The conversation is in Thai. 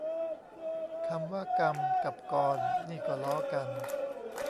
คำว่า "การ" กับ "กร" นี่ก็ล้อกัน